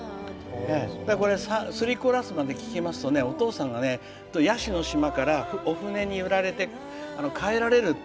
これ、３コーラスまで聞きますとお父さんが、椰子の島からお船に揺られて帰られる。